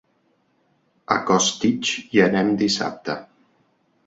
A Costitx hi anem dissabte.